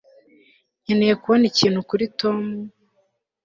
nkeneye kubona ikintu kuri tom